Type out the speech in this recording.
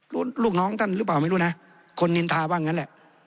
รู้ลูกน้องต้านรึเปล่าไม่รู้นะคนหนีนทาบ้างอย่างนั้นแหละ